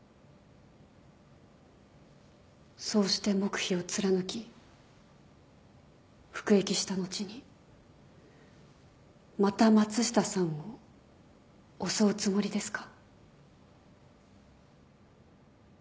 そうして黙秘を貫き服役した後にまた松下さんを襲うつもりですか？